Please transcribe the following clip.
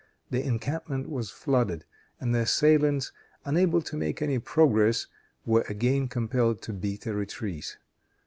The encampment was flooded, and the assailants, unable to make any progress, were again compelled to beat a retreat.